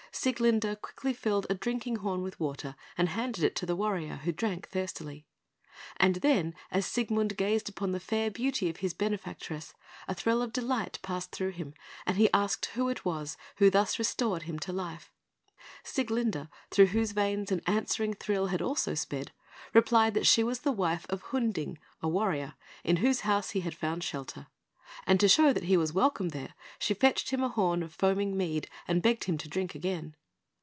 Sieglinde quickly filled a drinking horn with water, and handed it to the warrior, who drank thirstily; and then, as Siegmund gazed upon the fair beauty of his benefactress, a thrill of delight passed through him, and he asked who it was who thus restored him to life. Sieglinde, through whose veins an answering thrill had also sped, replied that she was the wife of Hunding, a warrior, in whose house he had found shelter; and to show that he was welcome there, she fetched him a horn of foaming mead, and begged him to drink again.